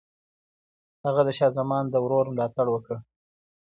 هغه د شاه زمان د ورور ملاتړ وکړ.